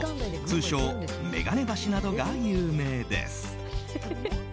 通称めがね橋などが有名です。